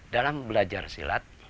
dalam belajar silat